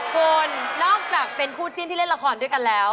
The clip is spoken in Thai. คุณนอกจากเป็นคู่จิ้นที่เล่นละครด้วยกันแล้ว